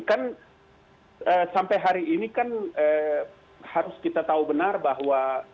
kan sampai hari ini kan harus kita tahu benar bahwa